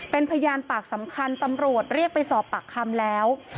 เป็นพยานปากสำคัญตำรวจเรียกไปสอบปากคำแล้ว